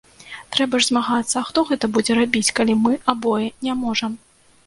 Трэба ж змагацца, а хто гэта будзе рабіць, калі мы абое не можам?